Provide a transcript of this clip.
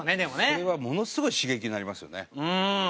それはものすごい刺激になりますよね。